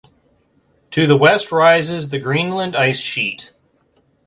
To the west rises the Greenland Ice Sheet.